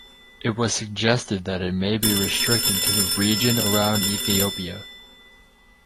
It was suggested that it may be restricted to the region around Ethiopia.